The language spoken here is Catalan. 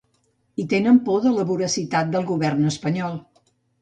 I tenen por de la voracitat del govern espanyol.